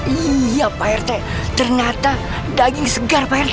iya pak rt ternyata daging segar pak rt